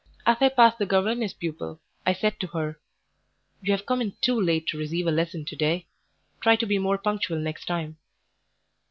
As I passed the governess pupil, I said to her "You have come in too late to receive a lesson to day; try to be more punctual next time."